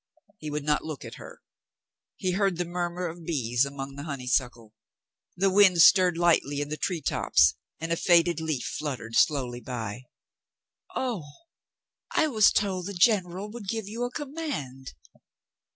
He would not look at her. He heard the murmur of bees among the honeysuckle. The wind stirred lightly in the tree tops and a faded leaf fluttered slowly by. "O ... I was told the general would give you a command."